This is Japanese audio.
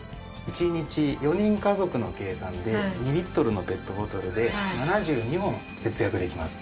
１日４人家族の計算で２リットルのペットボトルで７２本節約できます。